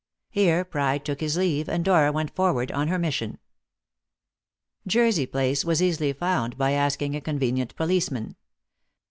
Here Pride took his leave, and Dora went forward on her mission. Jersey Place was easily found by asking a convenient policeman.